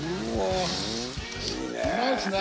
うまいっすね！